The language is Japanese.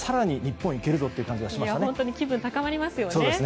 本当に気分が高まりますよね。